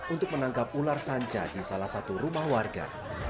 untuk menangkap ular sanca di salah satu rumah warga